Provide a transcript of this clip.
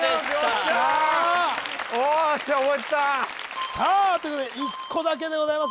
よっしゃーっおーっしゃ覚えてたさあということで１個だけでございます